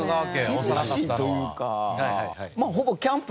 厳しいというか。